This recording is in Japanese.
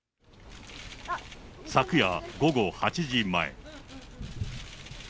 昨夜午後８時前。